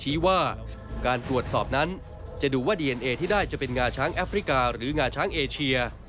ว่าการตรวจสอบนั้นจะดูว่าดีเอ็นเอที่ได้จะเป็นงาช้างแอฟริกาหรืองาช้างเอเชีย